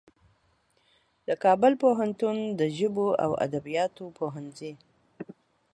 د کابل پوهنتون د ژبو او ادبیاتو پوهنځي